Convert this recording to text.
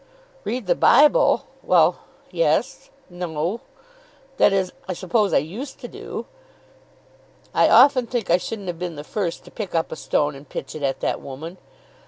"Read the Bible! Well; yes; no; that is, I suppose, I used to do." "I often think I shouldn't have been the first to pick up a stone and pitch it at that woman.